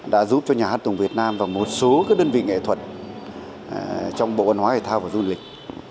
đã giúp cho nhà hát tùng việt nam và một số đơn vị nghệ thuật trong bộ văn hóa thể thao và du lịch